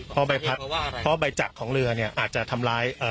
เพราะใบจักของเรือเนี่ยอาจจะทำลาย